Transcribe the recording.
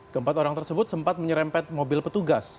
keempat orang tersebut sempat menyerempet mobil petugas